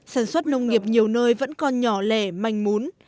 sản xuất nông nghiệp nhiều nơi vẫn còn nhỏ lẻ manh mún